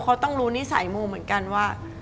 เขาต้องรู้นิสัยมูเหมือนกันว่า